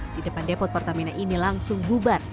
di depan depot pertamina ini langsung bubar